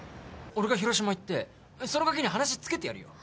俺が広島行ってそのガキに話つけてやるよ